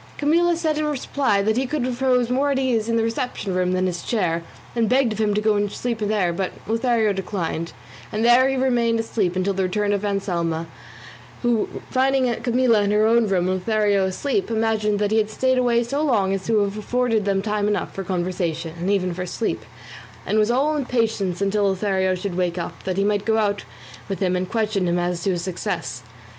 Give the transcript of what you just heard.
Camilla in reply said he could repose more at his ease in the reception room than in his chair, and begged of him to go in and sleep there; but Lothario declined, and there he remained asleep until the return of Anselmo, who finding Camilla in her own room, and Lothario asleep, imagined that he had stayed away so long as to have afforded them time enough for conversation and even for sleep, and was all impatience until Lothario should wake up, that he might go out with him and question him as to his success.